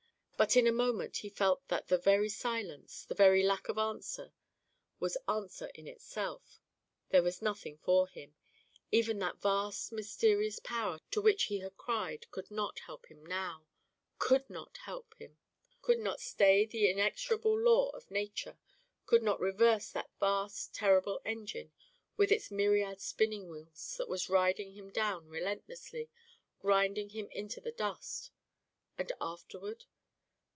But in a moment he felt that the very silence, the very lack of answer, was answer in itself; there was nothing for him. Even that vast mysterious power to which he had cried could not help him now, could not help him, could not stay the inexorable law of nature, could not reverse that vast terrible engine with its myriad spinning wheels that was riding him down relentlessly, grinding him into the dust. And afterward?